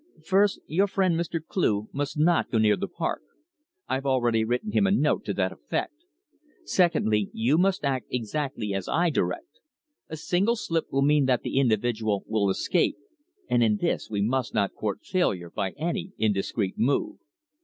"First, your friend Mr. Cleugh must not go near the park. I've already written him a note to that effect. Secondly, you must act exactly as I direct. A single slip will mean that the individual will escape, and in this we must not court failure by any indiscreet move."